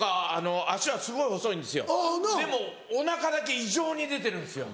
でもお腹だけ異常に出てるんですよ。